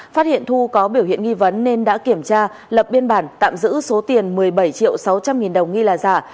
phát hiện thu có biểu hiện nghi vấn nên đã kiểm tra lập biên bản tạm giữ số tiền một mươi bảy triệu sáu trăm linh nghìn đồng nghi là giả